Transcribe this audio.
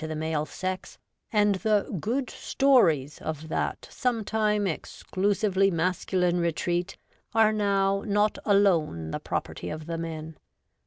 the male sex, and the ' good stories ' of that some time exclusively masculine retreat are now not alone the property of the men.